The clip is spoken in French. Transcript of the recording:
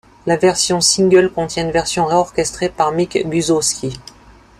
La version single contient une version réorchestrée par Mick Guzauski.